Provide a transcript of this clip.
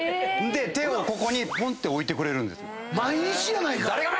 で手をここにぽんって置いてくれるんですよ。